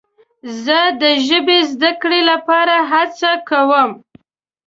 زه د ژبې زده کړې لپاره هڅه کوم.